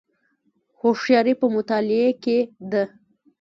هوښیاري په مطالعې کې ده